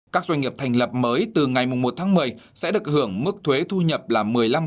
các doanh nghiệp thành lập mới từ ngày một tháng một mươi sẽ được hưởng mức thuế thu nhập là một mươi năm